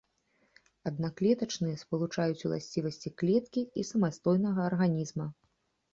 Аднаклетачныя спалучаюць уласцівасці клеткі і самастойнага арганізма.